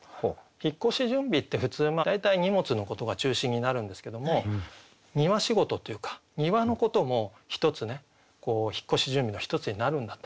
「引越準備」って普通大体荷物のことが中心になるんですけども庭仕事というか庭のことも一つね「引越準備」の一つになるんだと。